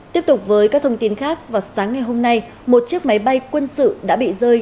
tiếp tục với các thông tin khác vào sáng ngày hôm nay một chiếc máy bay quân sự đã bị rơi